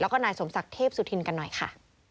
แล้วก็นายสมศักดิ์เทพสุธินกันหน่อยค่ะ